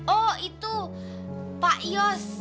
oh itu pak yos